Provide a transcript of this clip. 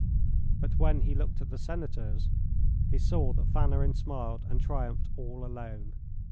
But when he looked at the Senators he saw that Fanarin smiled and triumphed all alone.